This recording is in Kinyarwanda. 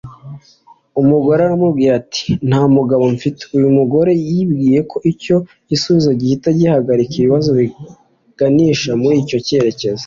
.” Umugore aramubwira ati, “Nta mugabo mfite.” Uyu mugore yibwiye ko icyo gisubizo gihita gihagarika ibibazo biganisha mur’icyo cyerekezo.